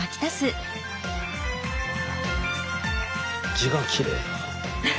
字がきれいだ。